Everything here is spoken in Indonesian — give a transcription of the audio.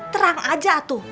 terang aja atuh